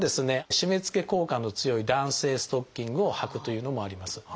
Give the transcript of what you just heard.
締めつけ効果の強い弾性ストッキングをはくというのもあります。